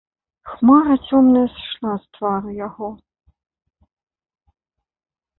Хмара цёмная сышла з твару яго.